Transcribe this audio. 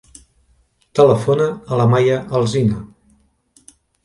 Telefona a la Maya Alsina.